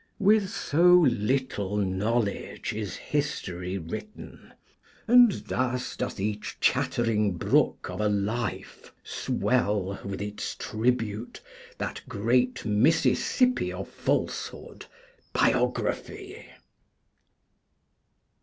With so little knowledge is history written, and thus doth each chattering brook of a 'Life swell with its tribute, that great Mississippi of falsehood,' Biography.